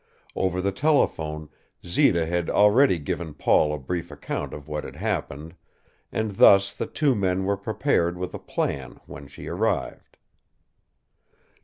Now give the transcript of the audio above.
Over the telephone Zita had already given Paul a brief account of what had happened, and thus the two men were prepared with a plan when she arrived.